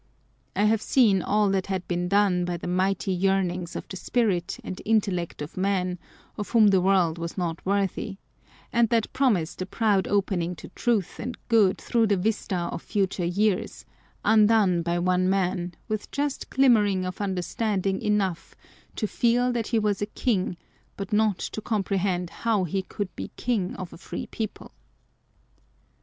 I have seen all that had been done by the mighty yearnings of the spirit and intel lect of men, " of whom the world was not worthy," and that promised a proud opening to truth and good through the vista of future years, undone by one man, with just glimmering of understanding enough to feel that he was a king, but not to comprehend how he could be king of a free people